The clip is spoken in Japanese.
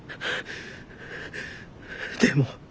でも。